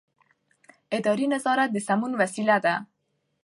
اداري نظارت د سمون وسیله ده.